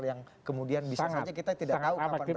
yang kemudian bisa saja kita tidak tahu kapan berakhir